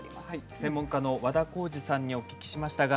専門家の和田耕治さんにお聞きしました。